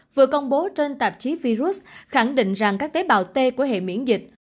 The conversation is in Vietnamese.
vừa công bố trên tạp chí virus khẳng định rằng các tế bào t của hệ miễn dịch